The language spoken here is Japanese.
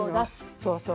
そうそう。